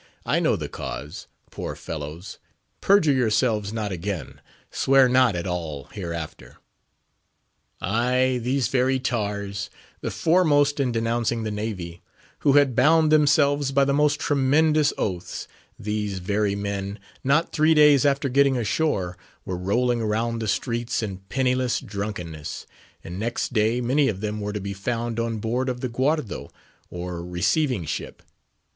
I know the cause; poor fellows! perjure yourselves not again; swear not at all hereafter. Ay, these very tars—the foremost in denouncing the Navy; who had bound themselves by the most tremendous oaths—these very men, not three days after getting ashore, were rolling round the streets in penniless drunkenness; and next day many of them were to be found on board of the guardo or receiving ship.